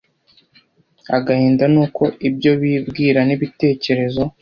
agahinda n’uko ibyo bibwira n’ibitekerezo